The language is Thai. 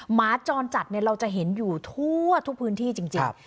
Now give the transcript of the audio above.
หมาจรจัดเราจะเห็นอยู่ทั่วทุกพื้นที่จริง